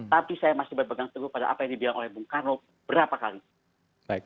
tapi saya masih berpegang teguh pada apa yang dibilang oleh bung karno berapa kali